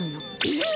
えっ！？